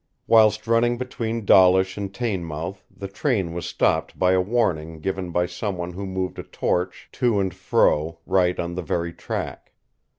Whilst running between Dawlish and Teignmouth the train was stopped by a warning given by someone who moved a torch to and fro right on the very track.